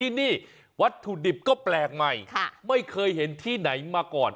ที่นี่วัตถุดิบก็แปลกใหม่ไม่เคยเห็นที่ไหนมาก่อน